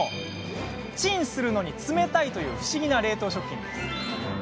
チンするのに冷たいという不思議な冷凍食品です。